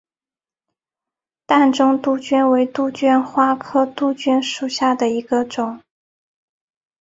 淡钟杜鹃为杜鹃花科杜鹃属下的一个种。